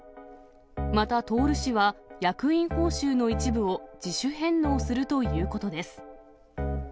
また、太氏は、役員報酬の一部を自主返納するということです。